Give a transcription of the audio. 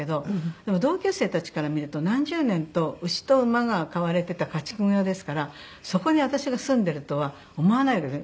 でも同級生たちから見ると何十年と牛と馬が飼われてた家畜小屋ですからそこに私が住んでるとは思わないわけですね。